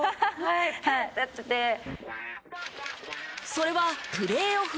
それはプレーオフ